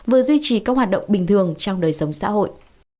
vừa duy trì các hoạt động bình thường trong đời sống xã hội